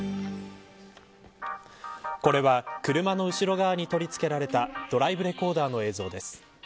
これは車の後ろ側に取り付けられたドライブレコーダーの映像です。